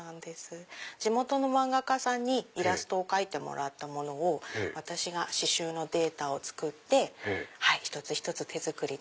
地元の漫画家さんにイラストを描いてもらったものを私が刺しゅうのデータを作って一つ一つ手作りで。